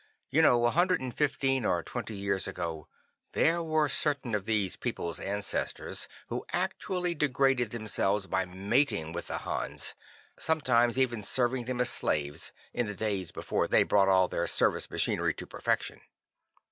You know, a hundred and fifteen or twenty years ago there were certain of these people's ancestors who actually degraded themselves by mating with the Hans, sometimes even serving them as slaves, in the days before they brought all their service machinery to perfection.